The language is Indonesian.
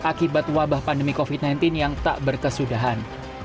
akibat wabah pandemi covid sembilan belas yang tak berkesudahan